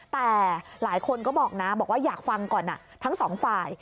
แต่หลายคนก็บอกนะบอกว่าอยากฟังก่อนทั้งสองฝ่าย